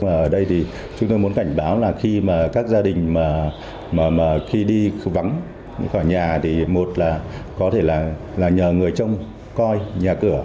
và ở đây thì chúng tôi muốn cảnh báo là khi mà các gia đình mà khi đi vắng khỏi nhà thì một là có thể là nhờ người trông coi nhà cửa